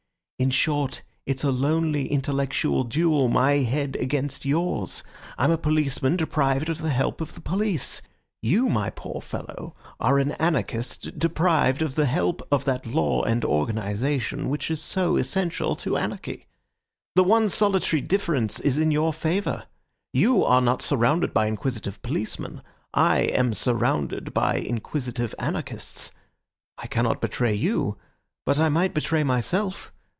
In short, it's a lonely, intellectual duel, my head against yours. I'm a policeman deprived of the help of the police. You, my poor fellow, are an anarchist deprived of the help of that law and organisation which is so essential to anarchy. The one solitary difference is in your favour. You are not surrounded by inquisitive policemen; I am surrounded by inquisitive anarchists. I cannot betray you, but I might betray myself.